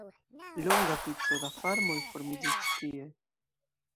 Longa vico da farmoj formiĝis ĉi tie.